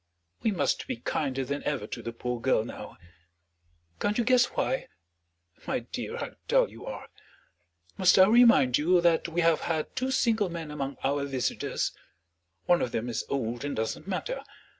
We must be kinder than ever to the poor girl now; can't you guess why? My dear, how dull you are! Must I remind you that we have had two single men among our visitors? One of them is old and doesn't matter.